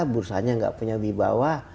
bursanya nggak punya bi bawah